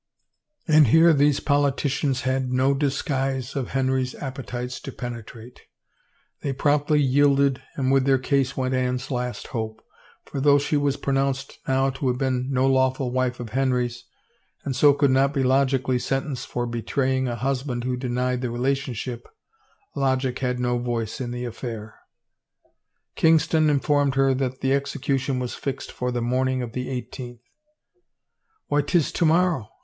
And here these politicians had no disguise of Henry's appetites to penetrate. They promptly yielded and with their case went Anne's last hope, for though she was pronounced now to have been no lawful wife of Henry's, and so could not be logically sentenced for betraying a husband who denied the relationship, logic had no voice in the affair. Kingston informed her that the execution was fixed for the morning of the eighteenth. " Why, 'tis to morrow